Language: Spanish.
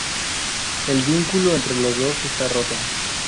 El vínculo entre los dos está roto.